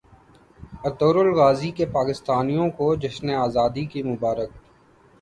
Ertugrul Ghazi کی پاکستانیوں کو جشن زادی کی مبارکباد